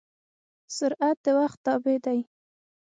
سرعت د وخت تابع دی.